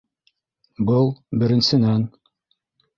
Был - беренсенән.